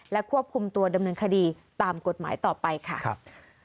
ควบคุมตัวดำเนินคดีตามกฎหมายต่อไปค่ะครับ